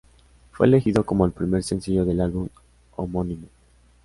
Fue elegido como el primer sencillo del álbum homónimo.